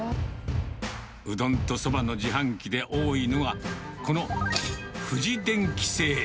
うどんとそばの自販機で多いのが、この富士電機製。